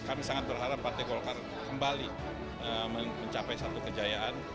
kami sangat berharap partai golkar kembali mencapai satu kejayaan